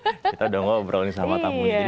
kita udah ngobrolin sama tamunya